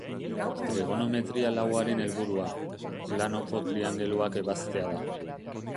Trigonometria lauaren helburua, planoko triangeluak ebaztea da.